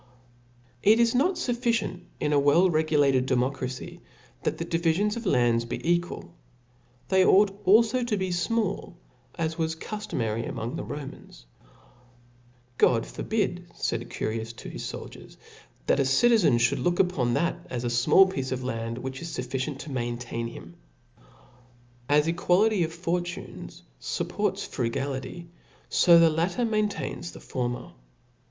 TT lis ik>t fufficient in a W«U*reguIat6d demotracy* ^ that the dbifions of land be equal \ they ought alio to be fmall^ as was (cuftomary ifirtiong the Ro mans, ^^ God f^rbidy faid Curius to his ibldiers f, that a citizen Jhould look upon that as afinallpiece of hndy which isfufficient to maintain him. As equality of fortunes fupports frugality, fo the latter maintains the former.